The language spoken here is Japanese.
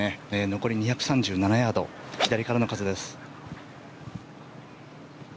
残り２３７ヤード左からの風です。